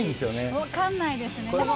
分かんないですね。